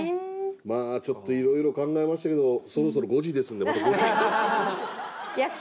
まあちょっといろいろ考えましたけどそろそろ５時ですのでまた後日。